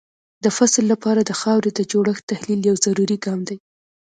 د فصل لپاره د خاورې د جوړښت تحلیل یو ضروري ګام دی.